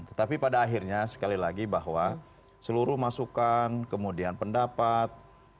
tetapi pada akhirnya sekali lagi bahwa seluruh masukan kemudian pendapat